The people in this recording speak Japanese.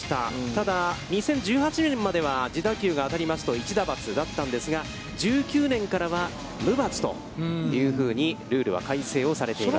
ただ、２０１８年までは自打球が当たりますと１打罰だったんですが、１９年からは無罰というふうにルールは改正をされています。